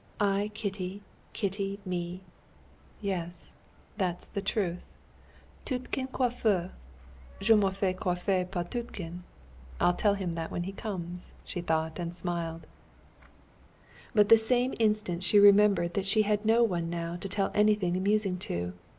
I Kitty, Kitty me. Yes, that's the truth. 'Tiutkin, coiffeur.' Je me fais coiffer par Tiutkin.... I'll tell him that when he comes," she thought and smiled. But the same instant she remembered that she had no one now to tell anything amusing to.